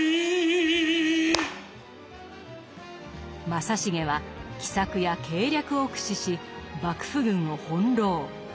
正成は奇策や計略を駆使し幕府軍を翻弄。